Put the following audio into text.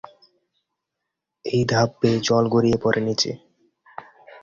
এই ধাপ বেয়ে জল গড়িয়ে পড়ে নিচে।